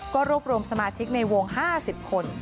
ก็รวบรวมสมาชิกในวง๕๐คน